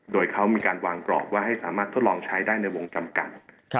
โดยเขามีการวางกรอบว่าให้สามารถทดลองใช้ได้ในวงจำกัด